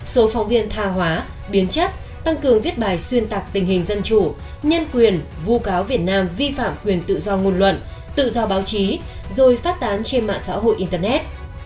số phóng viên tha hóa biến chất tăng cường viết bài xuyên tạc tình hình dân chủ nhân quyền vu cáo việt nam vi phạm quyền tự do ngôn luận tự do báo chí rồi phát tán trên mạng xã hội internet